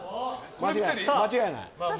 間違いない。